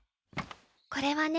これはね